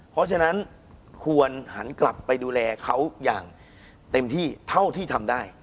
เพราะฉะนั้นควรหันกลับไปดูแลเขาอย่างเต็มที่เท่าที่ทำได้